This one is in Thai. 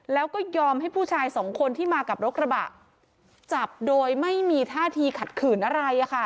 แล้วก็ยอมให้ผู้ชายสองคนที่มากับรถกระบะจับโดยไม่มีท่าทีขัดขืนอะไร